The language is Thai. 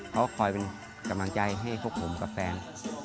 เขาคอยเป็นกำลังใจให้พวกผมกับแฟน